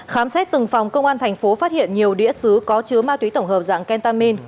khám xét từng phòng công an thành phố phát hiện nhiều đĩa xứ có chứa ma túy tổng hợp dạng kentamin